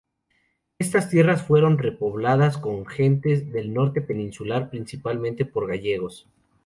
Estas tierras fueron repobladas con gentes del norte peninsular, principalmente por gallegos.